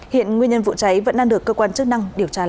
hiện nguyên nhân vụ cháy vẫn đang được cơ quan chức năng điều tra làm rõ